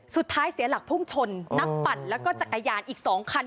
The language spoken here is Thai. เสียหลักพุ่งชนนักปั่นแล้วก็จักรยานอีก๒คัน